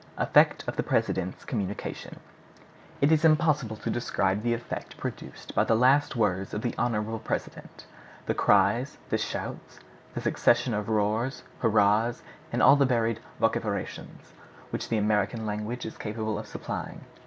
EFFECT OF THE PRESIDENT'S COMMUNICATION It is impossible to describe the effect produced by the last words of the honorable president—the cries, the shouts, the succession of roars, hurrahs, and all the varied vociferations which the American language is capable of supplying.